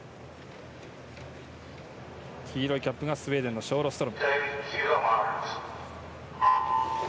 黄色いキャップがスウェーデンのショーストロム。